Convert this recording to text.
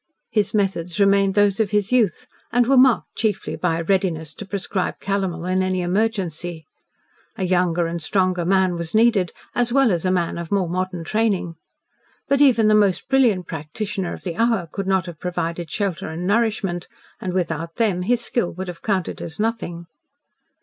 His methods remained those of his youth, and were marked chiefly by a readiness to prescribe calomel in any emergency. A younger and stronger man was needed, as well as a man of more modern training. But even the most brilliant practitioner of the hour could not have provided shelter and nourishment, and without them his skill would have counted as nothing.